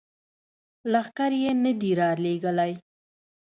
لښکر یې نه دي را لیږلي.